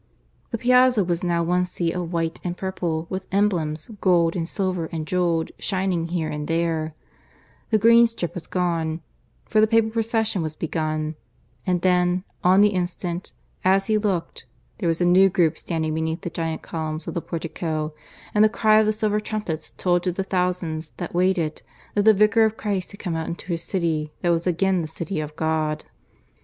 The piazza was now one sea of white and purple, with emblems, gold and silver and jewelled, shining here and there; the green strip was gone; for the Papal procession was begun; and then, on the instant, as he looked, there was a new group standing beneath the giant columns of the portico, and the cry of the silver trumpets told to the thousands that waited that the Vicar of Christ had come out into this city that was again the City of God.